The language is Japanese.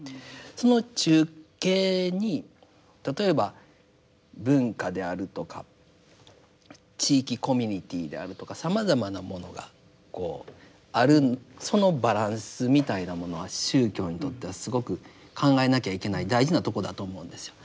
その中景に例えば文化であるとか地域コミュニティーであるとかさまざまなものがこうあるそのバランスみたいなものは宗教にとってはすごく考えなきゃいけない大事なとこだと思うんですよ。